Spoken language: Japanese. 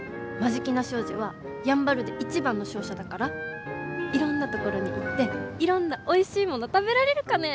眞境名商事はやんばるで一番の商社だからいろんなところに行っていろんなおいしいもの食べられるかね。